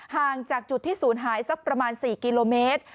ห่างจากจุดที่ศูนย์หายสักประมาณ๔กิโลเมตร